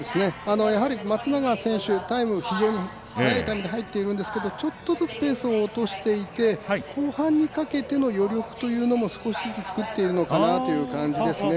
松永選手タイム、非常に速いタイムで入っているんですけどちょっとずつペースを落としていて後半にかけての余力というのも少しずつ作っているのかなという感じですね。